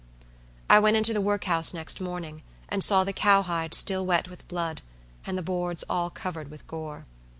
I went into the work house next morning, and saw the cowhide still wet with blood, and the boards all covered with gore.